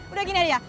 udah gini aja ya